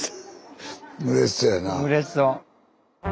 うれしそう。